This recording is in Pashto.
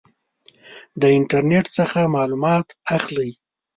د انټرنټ څخه معلومات اخلئ؟